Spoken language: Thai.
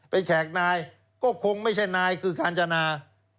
เป็นแขกนายก็คงไม่ใช่นายคือกาญจนา